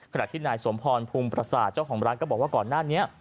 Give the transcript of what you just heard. ขณะที่นายสมพรภูมิประสาทเจ้าของร้านก็บอกว่าก่อนหน้านี้